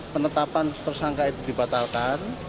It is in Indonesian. penetapan tersangka itu dibatalkan